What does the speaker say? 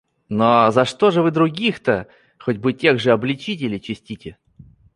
Но за что же вы других-то, хоть бы тех же обличителей, честите?